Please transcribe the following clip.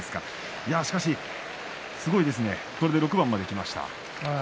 すごいですねこれで６番まできました。